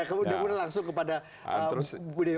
kemudian langsung kepada bu dewi